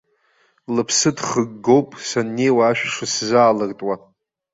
Лыԥсы дхыггоуп саннеиуа ашә шысзаалыртуа.